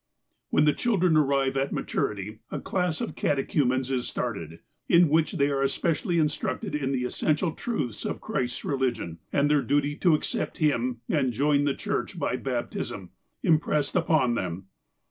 THE "CHRISTIAN CHURCH" 367 " When the children arrive at maturity, a class of catechu mens is started, in which they are especially instructed in the essential truths of Christ's religion, and their duty to accept Him and join the church by baptism, impressed upon them.